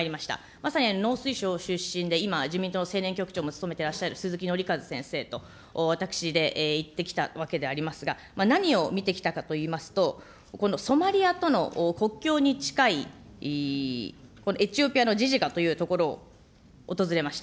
まさに農水省出身で、今、自民党の青年局長も務めていらっしゃる鈴木憲和先生と私で行ってきたわけでありますが、何を見てきたかといいますと、このソマリアとの国境に近いエチオピアのジジカという所を訪れました。